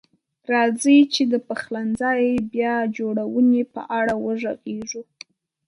راځئ چې د پخلنځي بیا جوړونې په اړه وغږیږو.